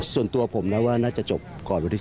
ส่วนตัวผมนะว่าน่าจะจบก่อนวันที่๒